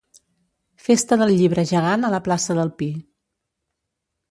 Festa del Llibre Gegant a la plaça del Pi.